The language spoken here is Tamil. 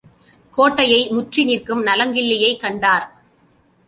கோட்டையை முற்றி நிற்கும் நலங்கிள்ளியைக் கண்டார்.